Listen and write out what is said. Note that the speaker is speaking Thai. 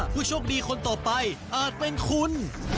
ผู้โชคดีคนต่อไปอาจเป็นคุณ